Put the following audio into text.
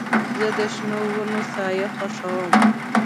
زه د شنو ونو سایه خوښوم.